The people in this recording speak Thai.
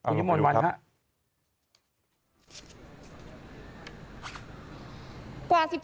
ปุ๊บการณ์กรุงอันดับสี่มันหมดวันครับ